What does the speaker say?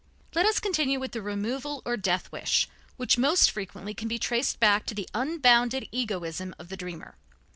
Let us continue with the removal or death wish which most frequently can be traced back to the unbounded egoism of the dreamer.